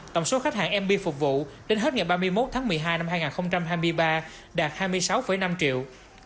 tổng số khách hàng mb phục vụ đến hết ngày ba mươi một tháng một mươi hai năm hai nghìn hai mươi ba đạt hai mươi sáu năm triệu